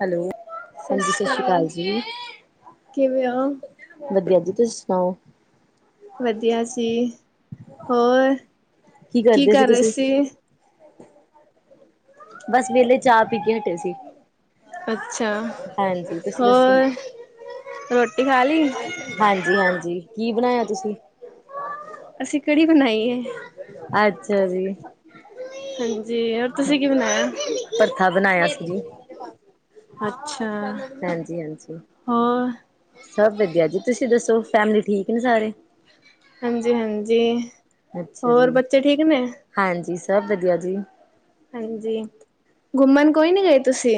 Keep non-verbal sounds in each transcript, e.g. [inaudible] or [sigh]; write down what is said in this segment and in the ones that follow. Hello, ਹਾਂਜੀ ਸਤਿ ਸ੍ਰੀ ਅਕਾਲ ਜੀ ਕਿਵੇਂ ਹੋ ਵਧੀਆ ਜੀ ਤੁਸੀਂ ਸੁਣਾਓ ਵਧੀਆ ਸੀ, ਹੋਰ, ਕੀ ਕਰ ਰਹੇ ਸੀ ਬਸ ਵਿਹਲੇ ਚਾਹ ਪੀ ਕੇ ਹਟੇ ਸੀ ਅੱਛਾ, ਹਾਂਜੀ ਤੁਸੀਂ ਦੱਸੋ ਹੋਰ ਰੋਟੀ ਖਾ ਲੀ। ਹਾਂਜੀ-ਹਾਂਜੀ, ਕੀ ਬਣਾਇਆ ਤੁਸੀਂ? ਅਸੀਂ ਕੜ੍ਹੀ ਬਣਾਈ ਏ। ਅੱਛਾ ਜੀ। ਹਾਂਜੀ, ਹੋਰ ਤੁਸੀਂ ਕੀ ਬਣਾਇਆ। ਭਰਥਾ ਬਣਾਇਆ ਸੀ ਜੀ ਅੱਛਾ। ਹਾਂਜੀ ਹਾਂਜੀ ਹੋਰ ਸਭ ਵਧੀਆ ਜੀ, ਤੁਸੀਂ ਦੱਸੋ ਫੈਮਲੀ ਠੀਕ ਨੇ ਸਾਰੇ। ਹਾਂਜੀ-ਹਾਂਜੀ। ਅੱਛਾ ਜੀ, ਹਾਂਜੀ ਸਭ ਵਧੀਆ ਜੀ। ਹਾਂਜੀ ਘੁੰਮਣ ਕੋਈ ਨੀ ਗਏ ਤੁਸੀਂ?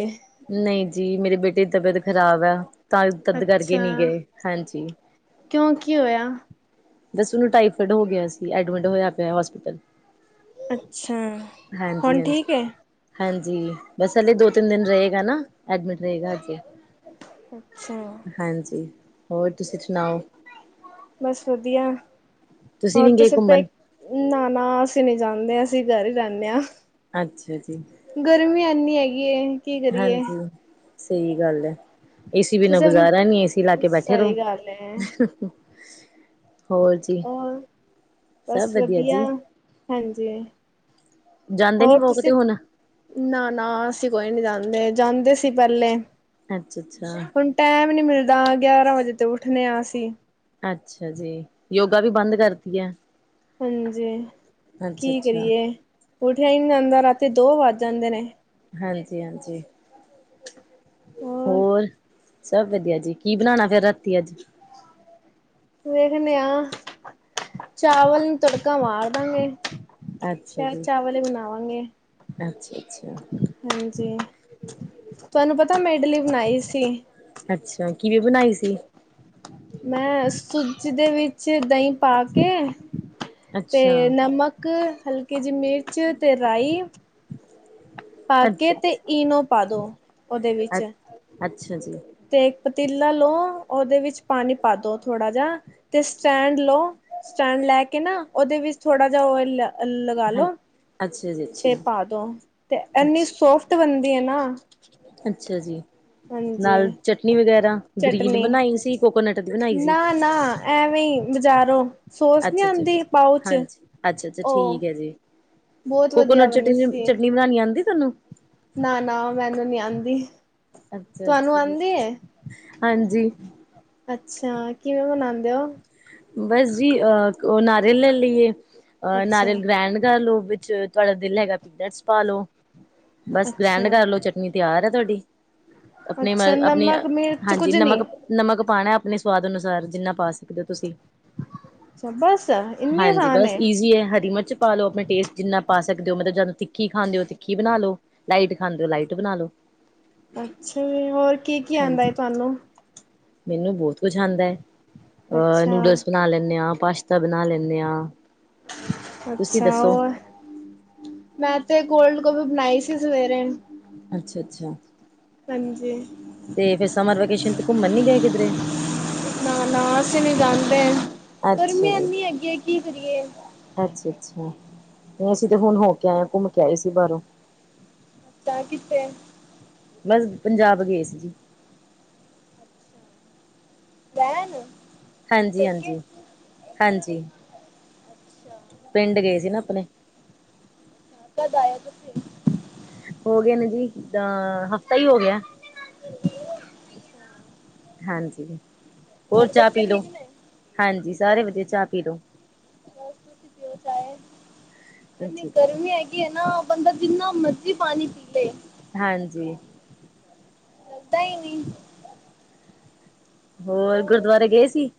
ਨਹੀਂ ਜੀ ਮੇਰੇ ਬੇਟੇ ਦੀ ਤਬੀਅਤ ਖ਼ਰਾਬ ਹੈ ਤਾਂ ਤੱਦ ਕਰਕੇ ਅੱਛਾ ਨਹੀਂ ਗਏ ਹਾਂਜੀ ਕਿਉਂ ਕੀ ਹੋਇਆ ਦਸ ਉਹਨੂੰ ਟਾਈਫਡ ਹੋ ਗਿਆ ਸੀ ਐਡਮਿਟ ਹੋਇਆ ਪਿਆ ਹੋਸਪਿਟਲ ਅੱਛਾ ਹਾਂਜੀ ਹੁਣ ਹਾਂਜੀ ਠੀਕ ਹੈ। ਹਾਂਜੀ ਬਸ ਹਲੇੇ ਦੋ ਤਿੰਨ ਦਿਨ ਰਹੇਗਾ ਨਾ ਐਡਮਿਟ ਰਹੇਗਾ ਹਜੇ ਅੱਛਾ ਹਾਂਜੀ ਹੋਰ ਤੁਸੀਂ ਸੁਣਾਓ ਬਸ ਵਧੀਆ ਹੋਰ ਨੀ ਗਏ ਤੁਸੀਂ ਤਾਂ ਘੁੰਮਣ ਨਾ ਨਾ ਅਸੀਂ ਨੀ ਜਾਂਦੇ ਅਸੀਂ ਘਰ ਹੀ ਰਹਿੰਦੇ ਹਾਂ। ਅੱਛਾ ਜੀ। ਗਰਮੀ ਇੰਨੀ ਹੈਗੀ ਹੈ। ਕੀ ਕਰੀਏ ਹਾਂਜੀ ਸਹੀ ਗੱਲ ਹੈ। ਏਸੀ ਬਿਨਾਂ ਤੁਸੀਂ ਗੁਜ਼ਾਰਾ ਆਪਣੇ ਨੀ ਏਸੀ ਲਾ ਕੇ ਬੈਠੇ ਸਹੀ ਗੱਲ ਹੈ। ਰਹੋ। ਹੋਰ ਜੀ ਹੋਰ ਸਭ ਬਸ ਵਧੀਆ ਜੀ ਹਾਂਜੀ। ਜਾਂਦੇ ਨੀ ਹੋਰ ਵੋਕ ਤੇ ਤੁਸੀਂ ਹੁਣ ਨਾ ਨਾ ਅਸੀਂ ਕੋਈ ਨੀ ਜਾਂਦੇ ਜਾਂਦੇ ਸੀ ਪਹਿਲੇ ਅੱਛਾ ਅੱਛਾ। ਹੁਣ ਟਾਈਮ ਨੀ ਮਿਲਦਾ ਗਿਆਰਾਂ ਵਜੇ ਤੋਂ ਉੱਠਣੇ ਹਾਂ ਅਸੀਂ ਅੱਛਾ ਜੀ ਯੋਗਾ ਵੀ ਬੰਦ ਕਰਤੀ ਹੈ। ਹਾਂਜੀ ਅੱਛਾ ਕੀ ਅੱਛਾ ਕਰੀਏ ਉਠਿਆ ਹੀ ਨਹੀਂ ਜਾਂਦਾ ਰਾਤੀ ਦੋ ਵੱਜ ਜਾਂਦੇ ਨੇ ਹਾਂਜੀ ਹਾਂਜੀ ਹੋਰ? ਸਭ ਵਧੀਆ ਜੀ ਕੀ ਬਣਾਉਣਾ ਫੇਰ ਰਾਤੀ ਅੱਜ [inaudible] ਵੇਖਦੇ ਆ ਚਾਵਲ ਨੂੰ ਤੜਕਾ ਮਾਰ ਦਾਂਗੇ ਅੱਛਾ ਜੀ। ਓਵੀ ਮਨਾਵਾਂਗੇ ਅੱਛਾ ਅੱਛਾ। ਹਾਂਜੀ ਤੁਹਾਨੂੰ ਪਤਾ ਮੈਂ ਇਡਲੀ ਬਣਾਈ ਸੀ। ਅੱਛਾ ਕਿਵੇਂ ਬਣਾਈ ਸੀ। ਮੈਂ ਸੂਜੀ ਦੇ ਵਿੱਚ ਦਹੀਂ ਪਾ ਕੇ ਅੱਛਾ ਤੇ ਨਮਕ ਕ ਹਲਕੀ ਜਿਹੀ ਮਿਰਚ ਅਤੇ ਰਾਈ ਪਾ ਕੇ ਅੱਛਾ ਤੇ ਈਨੋ ਪਾ ਦਉ ਉਹਦੇ ਅੱਛਾ ਅ ਵਿੱਚ ਅੱਛਾ ਜੀ। ਤੇ ਪਤੀਲਾ ਲਓ ਉਹਦੇ ਵਿੱਚ ਪਾਣੀ ਪਾ ਦੋ ਥੋੜਾ ਜਾ ਤੇ ਸਟੈਂਡ ਲਓ ਸਟੈਂਡ ਲੈ ਕੇ ਨਾ ਉਹਦੇ ਵਿੱਚ ਥੋੜਾ ਜਿਹਾਂ ਓਇਲ ਲੱਗਾ ਹਾਂ ਲੋ ਅੱਛਾ ਜੀ ਤੇ ਅੱਛਾ ਪਾ ਦੋ ਤੇ ਇਨੀ ਅੱਛਾ ਸੋਫਟ ਬਣਦੀ ਹੈ ਨਾ ਅੱਛਾ ਜੀ। ਹਾਂਜੀ ਨਾਲ ਚਟਨੀ ਵਗੈਰਾ ਗ੍ਰੀਨ ਚਟਨੀ ਬਣਾਈ ਸੀ, ਕੋਕੋਨਟ ਦੀ ਬਣਾਈ ਸੀ। ਨਾ-ਨਾ ਐਵੇਂ ਬਜ਼ਾਰੋਂ ਸੋਸ ਨਹੀਂ ਅੱਛਾ ਅੱਛਾ ਆਉਂਦੀ ਪਾਓਚ ਹਾਂਜੀ ਅੱਛਾ ਅੱਛਾ ਉਹ ਠੀਕ ਹੈ ਜੀ ਬਹੁਤ ਵਧੀਆ ਕੋਕੋਨਟ ਬਣੀ ਚਟਨੀ ਸੀ ਚਟਨੀ ਬਣਾਉਣੀ ਆਉਂਦੀ ਤੁਹਾਨੂੰ ਨਾ ਨਾ ਮੈਨੂੰ ਨੀ ਆਉਂਦੀ ਅੱਛਾ ਅੱਛਾ ਜੀ ਹਾਂਜੀ। ਅੱਛਾ ਕਿਵੇਂ ਬਣਾਉਂਦੇ ਹੋ। ਬਸ ਜੀ ਅਹ ਉਹ ਨਾਰੀਅਲ ਲੈ ਲਈਏ ਅਹ ਨਾਰੀਅਲ ਗ੍ਰੈਂਡ ਕਰ ਲਓ ਵਿੱਚ ਤੁਹਾਡਾ ਦਿਲ ਹੈਗਾ ਪੀਨਟਸ ਪਾ ਲੋ ਬਸ ਗ੍ਰੈਂਡ ਕਰ ਲੋ ਅੱਛਾ-ਅੱਛਾ-ਅੱਛਾ ਚਟਨੀ ਤਿਆਰ ਹੈ ਤੁਹਾਡੀ ਆਪਣੇ ਆਪਣੀ ਨਮਕ ਮਿਰਚ ਹਾਂਜੀ ਕੁੱਝ ਨੀ ਨਮਕ ਨਮਕ ਪਾਣਾ ਆਪਣੇ ਸਵਾਦ ਅਨੁਸਾਰ ਜਿੰਨਾ ਪਾ ਸਕਦੇ ਹੋ ਤੁਸੀਂ ਅੱਛਾ ਬਸ ਇੰਨੀ ਹਾਂਜੀ ਆਸਾਨ ਬਸ ਏ ਈਜ਼ੀ ਹੈ ਹਰੀ ਮਿਰਚ ਪਾ ਲਓ ਆਪਣੇ ਟੇਸਟ ਜਿੰਨਾ ਪਾ ਸਕਦੇ ਹੋ ਮਤਲਬ ਜਦ ਤਿੱਖੀ ਖਾਂਦੇ ਹੋ ਤਿੱਖੀ ਬਣਾਲੋ ਲਾਈਟ ਖਾਂਦੇ ਲਾਈਟ ਬਣਾਲੋ ਅੱਛਾ ਜ ਹੋਰ ਕੀ, ਕੀ ਆਉਂਦਾ ਹੈ ਹਾਂਜੀ ਤੁਹਾਨੂੰ? ਮੈਨੂੰ ਬਹੁਤ ਕੁਛ ਆਂਦੈ ਅਹ ਨੂਡਲਸ ਅੱਛਾ-ਅੱਛਾ ਬਣਾ ਲੈਨੇ ਹਾਂ ਪਾਸ਼ਤਾ ਬਣਾ ਲੈਨੇਂ ਹਾਂ। ਤੁਸੀਂ ਅੱਛਾ ਦੱਸੋ ਔਰ ਮੈਂ ਤੇ ਕੋਲਡ ਕੋਫੀ ਬਣਾਈ ਸੀ ਸਵੇਰੇ। ਅੱਛਾ, ਅੱਛਾ ਹਾਂਜੀ ਤੇ ਫੇਰ ਸਮਰ ਵੈਕੇਸ਼ਨ ਚ ਘੁੰਮਣ ਨੀ ਗਏ ਕਿਧਰੇ? ਨਾ, ਨਾ ਅਸੀਂ ਨੀ ਜਾਂਦੇ ਗਰਮੀ ਅੱਛਾ ਜੀ ਐਨੀ ਹੈਗੀ ਏ ਕੀ ਕਰੀਏ। ਅੱਛਾ, ਅੱਛਾ ਨਹੀਂ ਅਸੀਂ ਤੇ ਹੁਣ ਹਾਂਜੀ ਹੋ ਕੇ ਆਏ ਹਾਂ ਘੁੰਮ ਕੇ ਆਏ ਸੀ ਬਾਹਰੋਂ। ਦਾ ਕਿੱਥੇ। ਬਸ ਪੰਜਾਬ ਗਏ ਸੀ ਜੀ। ਗ ਨੂੰ [unintelligible] ਹਾਂਜੀ, ਹਾਂਜੀ, ਹਾਂਜੀ ਅੱਛਾ ਪਿੰਡ ਗਏ ਸੀ ਨਾ ਆਪਣੇ। ਕਦ ਆਏ ਤੁਸੀ? ਹੋ ਗਏ ਨੇ ਜੀ ਦਾ ਹਫ਼ਤਾ ਹੀ ਹੋ ਗਿਆ। ਹਾਂਜੀ, ਹੋਰ ਚਾਹ ਬੱਚੇ ਪੀ ਲਓ ਠੀਕ ਨੇ ਹਾਂਜੀ, ਸਾਰੇ ਬਸ ਵਧੀਆ ਚਾਹ ਪੀ ਲਓ। ਬਸ ਤੁਸੀਂ ਪੀਓ ਚਾਇ, ਇੰਨੀ ਹਾਂਜੀ ਗਰਮੀ ਹੈਗ ਏ ਨਾ ਬੰਦਾ ਜਿੰਨਾ ਮਰਜ਼ੀ ਪਾਣੀ ਪੀ ਲਏ। ਹਾਂਜੀ। ਲੱਗਦਾ ਹੀ ਨਹੀਂ। ਹੋਰ ਗੁਰਦੁਆਰੇ ਗਏ ਸੀ?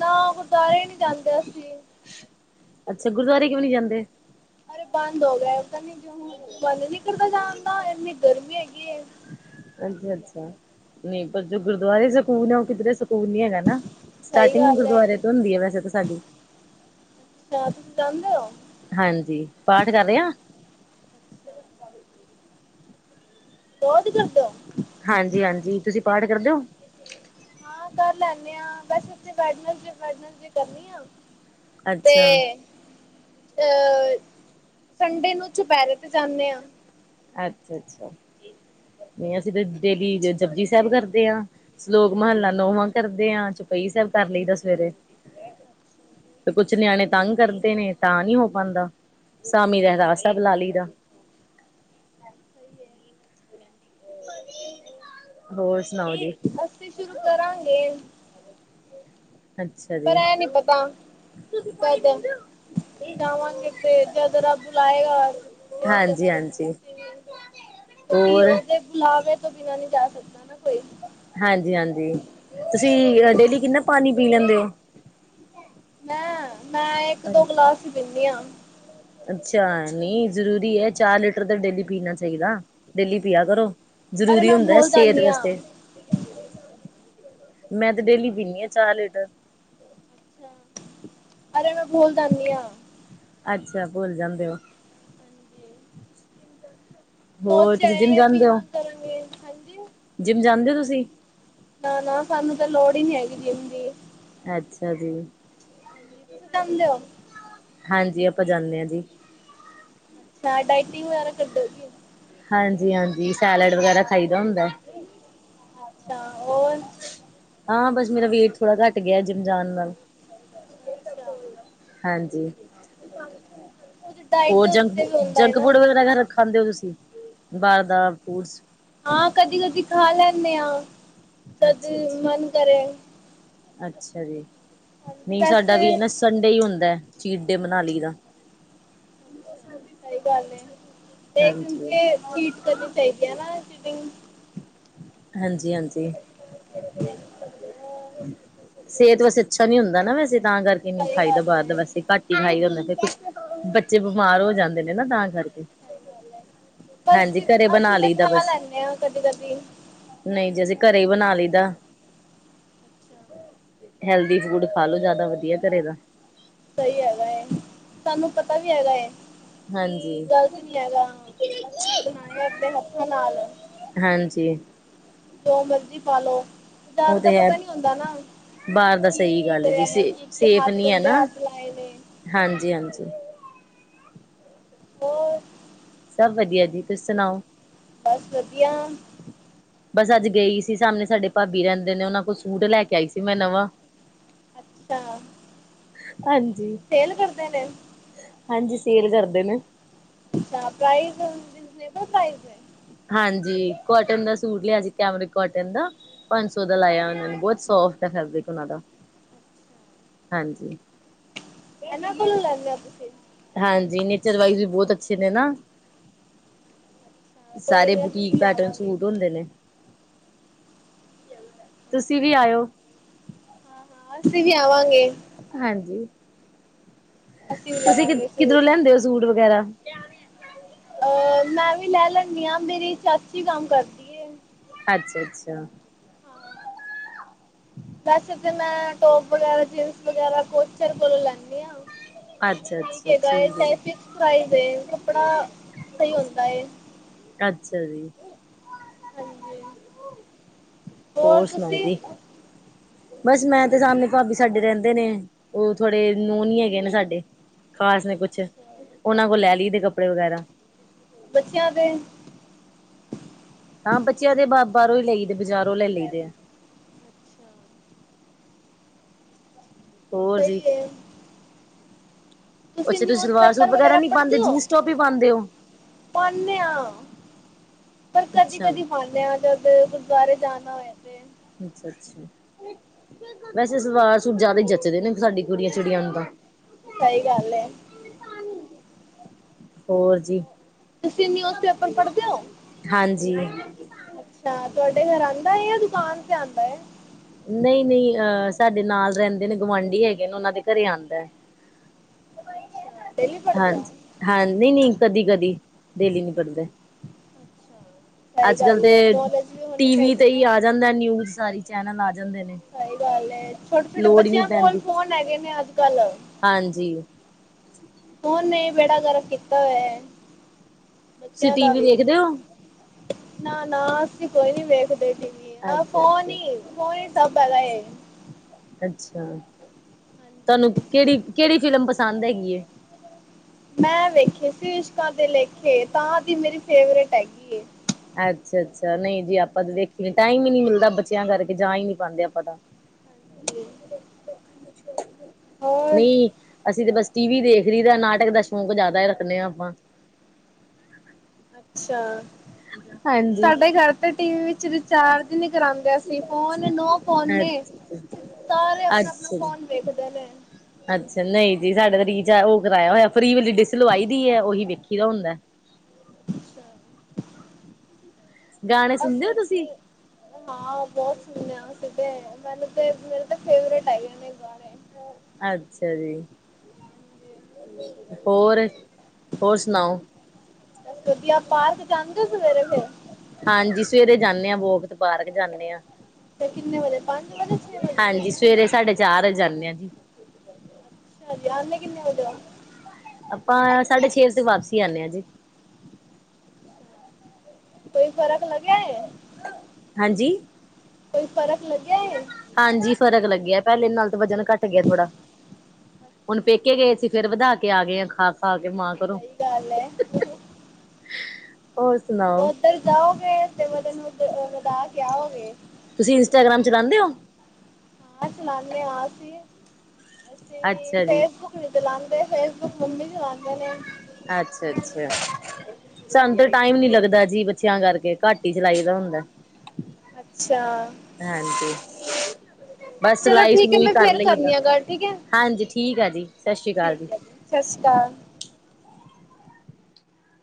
ਨਾ ਗੁਰਦੁਆਰੇ ਨੀ ਜਾਂਦੇ ਅਸੀਂ। ਅੱਛਾ, ਗੁਰਦੁਆਰੇ ਕਿਉ ਨੀ ਜਾਂਦੇ? ਅਰੇ ਬੰਦ ਹੋ ਗਿਆ ਪਤਾ ਨਹੀਂ ਕਿਉਂ ਹੁਣ ਮਨ ਨੀ ਕਰਦਾ ਜਾਣ ਦਾ ਇੰਨੀ ਗਰਮੀ ਹੈਗੀ ਹੈ। ਅੱਛਾ, ਅੱਛਾ ਨਹੀਂ ਪਰ ਜੋ ਗੁਰਦੁਆਰੇ ਸਕੂਨ ਹੈ ਉਹ ਕਿਧਰੇ ਸਕੂਨ ਨੀ ਹੈਗਾ ਨਾ। ਸਹੀ ਸਟਾਰਟਿੰਗ ਗੱਲ ਹੈ ਗੁਰਦੁਆਰੇ ਤੋਂ ਹੁੰਦੀ ਹੈ ਵੈਸੇ ਤਾਂ ਸਾਡੀ। ਹ ਤੁਸੀਂ ਜਾਦੇ ਹੋ? ਹਾਂਜੀ, ਪਾਠ ਕਰ ਰੇ ਆ। ਰੋਜ ਕਰਦੇ ਹੋ? ਹਾਂਜੀ, ਹਾਂਜੀ ਤੁਸੀਂ ਪਾਠ ਕਰਦੇ ਹੋ? ਹਾਂ, ਕਰ ਲੈਂਨੇਂ ਆਂ ਵੈਸੇ ਤੇ ਵੈਡਨਸ ਡੇ, ਵੈਡਨਸ ਡੇ ਕਰਨੀ ਆ। ਤੇ ਅੱਛਾ ਅਹ, ਸੰਡੇ ਨੂੰ ਚੁਪਹਿਰੇ ਤੇ ਜਾਨੇ ਆਂ। ਅੱਛਾ, ਅੱਛਾ ਨਹੀਂ ਅਸੀਂ ਤੇ ਡੇਲੀ ਜਪਜੀ ਸਾਹਿਬ ਕਰਦੇ ਹਾਂ। ਸਲੋਕ ਮਹੱਲਾ ਨੋਵਾਂ ਕਰਦੇ ਆ ਚੋਪਈ ਸਾਹਿਬ ਕਰ ਲਈਦਾ ਸਵੇਰੇ। ਤੇ ਕੁਛ ਨਿਆਣੇ ਤੰਗ ਕਰਦੇ ਨੇ ਤਾਂ ਨੀ ਹੋ ਪਾਂਦਾ। ਸਾਮੀ ਰਹਿਰਾਸ ਸਾਹਿਬ ਲਾ ਲੀ ਦਾ। ਸਹੀ ਹੈ। ਹੋਰ ਸੁਣਾਓ ਜੀ? ਅਸੀ ਸ਼ੁਰੂ ਕਰਾਂਗੇ। ਅੱਛਾ ਪਰ ਜੀ ਐ ਨੀ ਪਤਾ ਕਦ? ਜਾਵਾਂਗੇ ਤੇ ਜਦ ਰੱਬ ਬੁਲਾਏਗਾ ਹਾਂਜੀ ਹਾਂਜੀ [unintelligible] ਕਿਉਂਕਿ ਹੋਰ ਉਹਦੇ ਬੁਲਾਵੇ ਤੋਂ ਬਿਨਾ ਨਹੀਂ ਜਾ ਸਕਦਾ ਨਾ ਕੋਈ। ਹਾਂਜੀ, ਹਾਂਜੀ ਤੁਸੀਂ ਡੇਲੀ ਕਿੰਨਾ ਪਾਣੀ ਪੀ ਲੈਂਦੇ ਹੋ? ਮੈਂ, ਮੈਂ ਇੱਕ ਦੋ ਹਾਂਜੀ। ਗਲਾਸ ਹੀ ਪੀਨੀਂ ਆਂ। ਅੱਛਾ, ਨੀਂ ਜ਼ਰੂਰੀ ਹੈ ਚਾਰ ਲੀਟਰ ਦਾ ਡੇਲੀ ਪੀਣਾ ਚਾਹੀਦਾ। ਡੇਲੀ ਪਿਆ ਕਰੋ ਅਰੇ ਜ਼ਰੂਰੀ ਮੈਂ ਹੁੰਦਾ ਏ ਭੁੱਲ ਸਿਹਤ ਜਾਂਨੀ ਆ। ਵਾਸਤੇ। ਮੈਂ ਤੇ ਡੇਲੀ ਪੀਨੀ ਆਂ ਚਾਰ ਲੀਟਰ। ਅਰੇ, ਮੈਂ ਭੂਲ ਜਾਂਦੀ ਹਾਂ। ਅੱਛਾ ਭੁੱਲ ਜਾਂਦੇ ਹੋ। ਹਾਂਜੀ। ਹੋਰ ਸੋਚਿਆ ਤੁਸੀਂ ਜਿੰਮ ਏ ਪੀਵਾਂ ਕਰਾਂਗੇ ਹਾਂਜੀ। ਜਿਮ ਜਾਂਦੇ ਹੋ ਤੁਸੀਂ? ਨਾ-ਨਾ, ਸਾਨੂੰ ਤਾਂ ਲੋੜ ਈ ਨੀ ਜਿੰਮ ਦੀ, ਅੱਛਾ ਜੀ। ਜਾਂਦਿਓ, ਹਾਂਜੀ ਆਪਾਂ ਜਾਂਨੇ ਆ ਜੀ। ਨਾ ਡਾਇਟਿੰਗ ਵਗੈਰਾ ਕਰਦੇ, ਗੀ ਹਾਂਜੀ-ਹਾਂਜੀ, ਸੈਲਡ ਵਗੈਰਾ ਖਾਈਦਾ ਹੁੰਦਾ। ਅੱਛਾ, ਉਹ ਹਾਂ ਬਸ ਮੇਰਾ ਵੇਟ ਥੋੜ੍ਹਾ ਘੱਟ ਗਿਆ ਜਿਮ ਜਾਣ ਨਾਲ, ਅੱਛਾ। ਹਾਂਜੀ, ਕੁਝ ਡਾਇਟ ਹੋਰ ਦੇ ਜੰਕ ਉੱਤੇ ਵੀ ਹੁੰਦਾ ਹੈ ਜੰਕ ਨਾ ਫੂਡ ਵਗੈਰਾ ਰ ਖਾਂਦੇ ਹੋ ਤੁਸੀਂ, ਬਾਹਰ ਦਾ ਫੂਡਸ, ਹਾਂ, ਕਦੀ ਕਦੀ ਖਾ ਲੈਂਦੇ ਹਾਂ, ਤਦ ਅੱਛਾ ਅੱਛਾ ਮਨ ਕਰੇ। ਅੱਛਾ ਜੀ, ਹਾਂਜੀ ਨਹੀਂ ਸਾਡਾ ਵੀ ਵੈਸੇ ਨਾ ਸੰਡੇ ਹੀ ਹੁੰਦਾ ਚੀਰਡੇ ਮਨਾਲੀ ਦਾ, ਸਹੀ ਗੱਲ ਏ ਹਾਂਜੀ ਤੇ ਚੀਟ ਕਰਨੀ ਚਾਹੀਦੀ ਹੈ ਨਾ ਚੀਟਿੰਗ, ਹਾਂਜੀ-ਹਾਂਜੀ। ਹੋਰ ਸਿਹਤ ਵੈਸੇ ਅੱਛਾ ਨੀ ਹੁੰਦਾ ਨਾ ਵੈਸੇ ਤਾਂ ਕਰਕੇ ਨੀ ਸਹੀ ਖਾਈਦਾ ਗੱਲ ਬਾਹਰ ਦਾ ਏ ਵੈਸੇ ਘੱਟ ਹੀ ਖਾਈਦਾ ਹੁੰਦਾ ਫ ਬੱਚੇ ਬਿਮਾਰ ਹੋ ਜਾਂਦੇ ਨੇ ਨਾ ਤਾਂ ਕਰਕੇ ਬਸ ਹਾਂਜੀ ਘਰੇ ਅਸੀਂ ਬਣਾ ਤਾਂ ਲਈਦਾ ਖਾ ਬਸ ਲੈਂਨੇ ਆ ਕਦੀ ਕਦੀ, ਨਹੀਂ ਜੀ ਅਸੀਂ ਘਰੇ ਹੀ ਬਣਾ ਲਈਦਾ, ਅੱਛਾ ਹੈਲਦੀ ਫੂਡ ਖਾ ਲੋੋ ਜ਼ਿਆਦਾ ਵਧੀਆ ਘਰੇ ਤਾਂ, ਸਹੀ ਹੈਗਾ ਏ ਸਾਨੂੰ ਪਤਾ ਵੀ ਹੈਗਾ ਏ, ਕੀ ਹਾਂਜੀ ਗਲਤ ਨੀ ਹੈਗਾ, ਅਸੀਂ ਬਣਾਏ ਆਪਣੇ ਹੱਥਾਂ ਨਾਲ। ਹਾਂਜੀ। ਜੋ ਮਰਜ਼ੀ ਖਾਲੋ ਉਹ ਜ਼ਿਆਦਾਤਰ ਤੇ ਹੈ ਪਤਾ ਨੀ ਹੁੰਦਾ ਨਾ, ਬਾਹਰ ਦਾ ਸਹੀ ਕੀ-ਕੀ ਗੱਲ ਜੀ ਕਰਿਆ ਹੈ ਸੇ ਕੀ-ਕੀ ਹੱਥ ਗੰਦੇ ਹੱਥ ਲਾਏ ਨੇ। ਹਾਂਜੀ ਹਾਂਜੀ-ਹਾਂਜੀ। ਹੋ ਸਭ ਵਧੀਆ ਜੀ ਤੁਸੀਂ ਸੁਣਾਓ, ਬਸ ਵਧੀਆ। ਬਸ ਅੱਜ ਗਈ ਸੀ ਸਾਹਮਣੇ ਸਾਡੇ ਭਾਬੀ ਰਹਿੰਦੇ ਨੇ ਉਹਨਾਂ ਕੋਲ ਸੂਟ ਲੈ ਕੇ ਆਈ ਸੀ ਮੈਂ ਨਵਾਂ, ਅੱਛਾ, ਹਾਂਜੀ। ਸੇਲ ਕਰਦੇ ਨੇ, ਹਾਂਜੀ ਸੇਲ ਕਰਦੇ ਨੇ, ਅੱਛਾ ਪ੍ਰਾਈਜ਼ ਰੀਜਨੇਬਲ ਪ੍ਰਾਈਜ਼ ਆ, ਹਾਂਜੀ ਕੋਟਨ ਦਾ ਸੂਟ ਲਿਆ ਸੀ ਕੈਮਰਿਕ ਕੋਟਨ ਦਾ, ਪੰਜ ਸੌ ਦਾ ਲਾਇਆ ਉਹਨਾਂ ਨੂੰ ਬਹੁਤ ਸੋਫਟ ਹੈ ਫੈਬਰਿਕ ਉਹਨਾਂ ਦਾ, ਹਾਂਜੀ ਇਹਨਾਂ ਕੋਲੋਂ ਲੈਂਦੇ ਹੋ ਤੁਸੀਂ ਹਾਂਜੀ ਨੇਚਰ ਵਾਈਜ਼ ਵੀ ਬਹੁਤ ਅੱਛੇ ਨੇ ਨਾ, ਅੱਛਾ ਕੋਈ ਸਾਰੇ ਨੀ ਅਸੀਂ ਬੁਟੀਕ ਵੀ ਪੈਟਰਨ ਆਵਾਂਗੇ। ਸੂਟ ਹੁੰਦੇ ਨੇ, ਤੁਸੀਂ ਵੀ ਆਓ, ਹਾਂ-ਹਾਂ ਅਸੀਂ ਵੀ ਆਵਾਂਗੇ, ਹਾਂਜੀ। ਅਸੀਂ ਵੀ ਤੁਸੀਂ ਕਿ ਲਵਾਂਗੇ ਕਿਧਰੋਂ ਸੂਟ। ਲਿਆਂਦੇ ਹੋ ਸੂਟ ਵਗੈਰਾ, ਅ ਮੈਂ ਵੀ ਲੈ ਲੈਂਨੀ ਹਾਂ ਮੇਰੀ ਚਾਚੀ ਕੰਮ ਕਰਦੀ ਏ। ਅੱਛਾ-ਅੱਛਾ। ਹਮ ਵੈਸੇ ਤਾਂ ਮੈਂ ਟੋਪ ਵਗੈਰਾ ਜੀਨਸ ਵਗੈਰਾ ਕੋਚਰ ਕੋਲੋਂ ਲੈਂਨੀ ਆ। ਅੱਛਾ ਠੀਕ ਅੱਛਾ ਹੈਗਾ ਏ ਹੈ ਚਾਹੇ ਜੀ ਫਿਕਸ ਪ੍ਰਾਈਜ਼ ਏ ਕੱਪੜਾ ਸਹੀ ਹੁੰਦਾ ਏ, ਅੱਛਾ ਜੀ। ਹਾਂਜੀ, ਹੋਰ ਸੁਣਾਓ ਜੀ। [inaudible] ਬਸ ਮੈਂ ਤੇ ਤੁਸੀਂ ਸਾਹਮਣੇ ਭਾਬੀ ਸਾਡੇ ਰਹਿੰਦੇ ਨੇ ਉਹ ਥੋੜੇ ਨਹ ਨੀ ਹੈਗੇ ਨਾ ਸਾਡੇ। ਖ਼ਾਸ ਨੀ ਕੁਛ ਅੱਛਾ ਉਹਨਾਂ ਕੋਲ ਲੈ ਲਈ ਦੇ ਕੱਪੜੇ ਵਗੈਰਾ। ਬੱਚਿਆਂ ਦੇ। ਹਾਂ ਬੱਚਿਆਂ ਦੇ ਬ ਬਾਹਰੋਂ ਹੀ ਲਈਦੇ ਬਜ਼ਾਰੋਂ ਹੀ ਲਈਦੇ ਆ। ਹੋਰ ਜੀ। ਸਹੀ ਏ ਤੁਸੀਂ ਅੱਛਾ ਨਿਊਜ ਸਲਵਾਰ ਸੂਟ ਪੇਪਰ ਵਗੈਰਾ ਨਹੀਂ ਪੜ੍ਹਦੇ ਪਾਉਂਦੇ ਹੋ ਜੀਨਸ ਟੋਪ ਹੀ ਪਾਉਂਦੇ ਹੋ ਪੜਦੇ ਆ। ਪਰ ਕਦੀ ਅੱਛਾ ਕਦੀ ਪਾਨੇ ਜਦ ਗੁਰਦੁਆਰੇ ਜਾਣਾ ਹੋਏ ਤੇ। ਅੱਛਾ ਅੱਛਾ, ਵੈਸੇ ਸਲਵਾਰ ਸੂਟ ਜਿਆਦਾ ਹੀ ਜੱਚਦੇ ਨੇ ਸਾਡੀ ਕੁੜੀਆਂ ਚਿੜੀਆਂ ਨੂੰ ਤਾਂ ਸਹੀ ਗੱਲ ਏ। ਹੋਰ ਜੀ। ਤੁਸੀਂ ਨਿਊਜ਼ ਪੇਪਰ ਪੜ੍ਹਦੇ ਹੋ। ਹਾਂਜੀ। ਅੱਛਾ ਤੁਹਾਡੇ ਘਰ ਆਂਦਾ ਹੈ ਜਾਂ ਦੁਕਾਨ ਤੇ ਆਂਦਾ ਹੈ। ਨਹੀਂ ਨਹੀਂ ਅਹ ਸਾਡੇ ਨਾਲ ਰਹਿੰਦੇ ਨੇ ਗੁਆਂਢੀ ਹੈਗੇ ਨੇ ਉਹਨਾਂ ਦੇ ਘਰੇ ਆਂਦੇ। ਅੱਛਾ ਡੇਲੀ ਪੜਦੇ ਹੋ। ਹਾਂਜੀ ਹਾਂ ਨਹੀਂ ਨਹੀਂ ਕਦੀ ਕਦੀ ਡੇਲੀ ਨਹੀਂ ਪੜ੍ਹਦਾ। ਅੱਛਾ ਸਹੀ ਅੱਜ ਕਲ ਗੱਲ ਤੇ ਹੈ ਨੌਲੇਜ ਹੋਣੀ ਟੀ ਵੀ ਚਾਹੀਦੀ ਤੇ ਹੀ ਨਾ ਆ ਜਾਂਦਾ ਨਿਊਜ ਸਾਰੀ ਚੈਨਲ ਆ ਜਾਂਦੇ ਨੇ। ਸਹੀ ਗੱਲ ਏ ਛੋਟੇ ਛੋਟੇ ਲੋੜ ਹੀ ਨਹੀਂ ਬੱਚਿਆਂ ਕੋਲ ਪੈਂਦੀ ਫੋਨ ਹੈਗੇ ਨੇ ਅੱਜ ਕੱਲ। ਹਾਂਜੀ। ਫੋਨ ਬੇੜਾ ਗਰਕ ਕੀਤਾ ਹੋਇਆ ਤੁਸੀਂ ਬੱਚਿਆਂ ਟੀ ਦਾ ਵੀ। ਦੇਖਦੇ ਹੋ ਨਾ ਨਾ ਅਸੀ ਕੋਈ ਨੀ ਵੇਖਦੇ ਟੀਵੀ ਫੋਨ ਅੱਛਾ-ਅੱਛਾ, ਹੀ ਅੱਛਾ ਫੋਨ ਹੀ ਸਭ ਹੈਗਾ ਇਹ। ਅੱਛਾ ਤੁਹਾਨੂੰ ਹਾਂਜੀ ਕਿਹੜੀ-ਕਿਹੜੀ ਫਿਲਮ ਪਸੰਦ ਹੈਗੀ ਹੈ। ਮੈਂ ਵੇਖੇ ਸੀ। ਇਸ਼ਕਾਂ ਦੇ ਲੇਖੇ' ਤਾਂ ਦੀ ਮੇਰੀ ਫੇਵਰੇਟ ਹੈਗੀ ਆ ਅੱਛਾ-ਅੱਛਾ ਨਹੀਂ ਜੀ ਆਪਾਂ ਤਾਂ ਦੇਖੀ ਟਾਈਮ ਹੀ ਨੀ ਮਿਲਦਾ ਬੱਚਿਆਂ ਕਰਕੇ ਜਾ ਹੀ ਨੀ ਪ ਆਪਾਂ ਤਾਂ ਹਾਂਜੀ [inaudible] ਹੋਰ ਨੀ ਅਸੀਂ ਤੇ ਬਸ ਟੀ ਵੀ ਦੇਖ ਰਹੀ ਤਾਂ ਨਾਟਕ ਦਾ ਸ਼ੌਕ ਜ਼ਿਆਦਾ ਹੀ ਰੱਖਦੇ ਹਾਂ ਆਪਾਂ ਅੱਛਾ ਹਾਂਜੀ। ਸਾਡੇ ਘਰ ਤੇ ਟੀ ਵੀ ਵਿੱਚ ਚਾਰਜ ਨੀ ਕਰਾਂਦੇ ਅਸੀਂ ਫੋਨ ਨੋ ਫੋਨ ਨੇ ਅੱਛਾ ਸਾਰੇ ਆਪਣਾ-ਆਪਣਾ ਜੀ। ਫੋਨ ਵੇਖਦੇ ਨੇ ਅੱਛਾ ਨਹੀਂ ਜੀ ਸਾਡੇ ਤਾਂ ਰੀਚਾਰਜ ਉਹ ਕਰਾਇਆ ਹੋਇਆ ਫਰੀ ਵਾਲੀ ਡਿਸ ਲਵਾਈ ਦੀ ਹੈ। ਉਹੀ ਵੇਖੀ ਦਾ ਹੁੰਦਾ ਗਾਣੇ ਅੱਛਾ ਸੁਣਦੇ [unintelligible] ਹੋ ਤੁਸੀਂ? ਹਾਂ ਬਹੁਤ ਸੁਣਿਆ ਸੀਧ ਮੈਨੂੰ ਤੇ ਮੇਰੇ ਤਾਂ ਫੇਵਰੇਟ ਆਈ ਉਹਨੇ ਗਾਣੇ। ਅੱਛਾ ਜੀ ਹੋਰ ਹੋਰ ਸੁਣਾਓ ਬੱਸ ਵਧੀਆ ਪਾਰਕ ਜਾਂਦੇ ਹੋ ਸਵੇਰੇ ਸਵੇਰੇ। ਹਾਂਜੀ ਸਵੇਰੇ ਜਾਂਦੇ ਹਾਂ ਵਾਲਕ ਤੇ ਪਾਰਕ ਜਾਂਦੇ ਹਾਂ। ਤੇ ਕਿੰਨੇ ਵਜੇ ਪੰਜ ਵਜੇ ਛੇ ਵਜੇ। ਹਾਂਜੀ ਸਵੇਰੇ ਸਾਡੇ ਚਾਰ ਵਜੇ ਜਾਂਦੇ ਹਾਂ ਜੀ। ਅੱਛਾ ਜਾਣੇ ਕਿੰਨੇ ਵਜੇ ਹੋ। ਆਪਾਂ ਸਾਢੇ ਛੇ ਵਜੇ ਵਾਪਸੀ ਹਾਂ ਜੀ ਕੋਈ ਫ਼ਰਕ ਲਗਿਆ। ਹਾਂਜੀ। ਕੋਈ ਫਰਕ ਲੱਗਿਆ। ਹਾਂਜੀ ਫਰਕ ਲੱਗਿਆ ਪਹਿਲੇ ਨਾਲ ਤੋਂ ਵਜਨ ਘੱਟ ਗਿਆ ਥੋੜਾ ਹੁਣ ਪੇਕੇ ਗਏ ਸੀ ਫੇਰ ਵਧਾ ਕੇ ਆ ਗਏ ਹਾਂ ਖਾ ਖਾ ਕੇ ਮਾ ਸਹੀ ਗੱਲ ਐ। ਹੋਰ ਸੁਣਾ। ਉੱਧਰ ਜਾਓਗੇ ਤੇ' ਉਹਧਨ ਵਧਾ ਕੇ ਆਓਗੇ ਤੁਸੀਂ ਇੰਸਾਗ੍ਰਾਮ ਚਲਾਉਂਦੇ ਹੋ ਹਾਂ ਚਲਾਉਂਦੇ ਅਸੀ ਅੱਛਾ ਜੀ ਤੇ ਚਲਾਉਂਦੇ ਫੇਸਬੁੱਕ, ਮੰਮੀ ਚਲਾਉਂਦੇ ਨੇ ਅੱਛਾ-ਅੱਛਾ ਸਾਨੂੰ ਤਾਂ ਟਾਈਮ ਨੀ ਲੱਗਦਾ ਜੀ, ਬੱਚਿਆਂ ਕਰਕੇ, ਘੱਟ ਹੀ ਚਲਾਈ ਦਾ ਹੁੰਦਾ ਅੱਛਾ ਹਾਂਜੀ, ਬਸ ਚਲੋ ਸਿਲਾਈ ਠੀਕ ਹੈ ਸਲੂਈ ਮੈਂ ਕਰ ਫੇਰ ਲਈਦਾ ਕਰਨੀ ਆ ਗੱਲ ਠੀਕ ਹੈ ਹਾਂਜੀ ਠੀਕ ਆ ਜੀ ਸਤਿ ਸ਼੍ਰੀ ਅਕਾਲ ਠੀਕ ਹੈ ਜੀ, ਸਤਿ ਸ੍ਰੀ ਅਕਾਲ।